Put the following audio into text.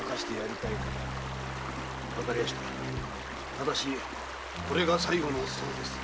ただしこれが最後のお勤めですぜ。